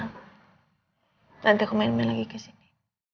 nanti aku main main lagi ke sini